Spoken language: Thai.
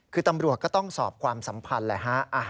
คือตำรวจก็ต้องสอบความสัมพันธ์แหละฮะ